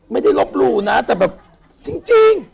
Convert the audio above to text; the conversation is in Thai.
ไม่ได้ลบหลู่นะแต่แบบจริง